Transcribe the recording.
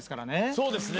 そうですね。